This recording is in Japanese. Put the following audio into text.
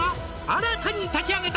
「新たに立ち上げた」